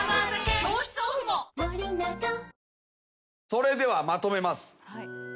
それではまとめます。